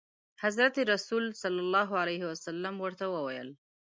حضرت رسول صلعم ورته وویل.